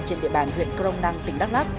trên địa bàn huyện crong năng tỉnh đắk lắp